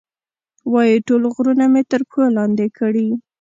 وایي، ټول غرونه مې تر پښو لاندې کړي.